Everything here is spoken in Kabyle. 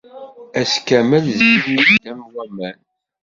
Ass kamel, zzin-iyi-d am waman.